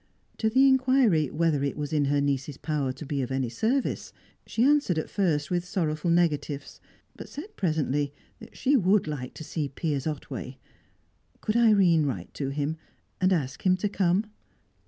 To the inquiry whether it was in her niece's power to be of any service, she answered at first with sorrowful negatives, but said presently that she would like to see Piers Otway; could Irene write to him, and ask him to come?